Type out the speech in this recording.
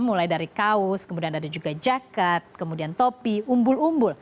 mulai dari kaos kemudian ada juga jaket kemudian topi umbul umbul